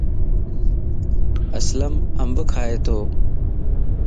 اسلم انب کائي تو.